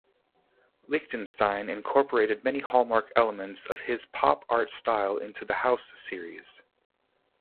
Lichtenstein incorporated many hallmark elements of his pop art style into the House series.